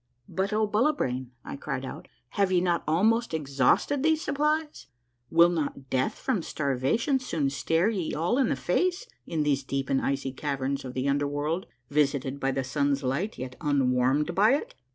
"But, O Bullibrain," I cried out, "have ye not almost ex hausted these supplies ? Will not death from starvation soon stare ye all in the face in these deep and icy caverns of the under world, visited by the sun's light yet un warmed by it